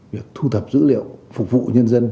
việc thu thập dữ liệu phục vụ nhân dân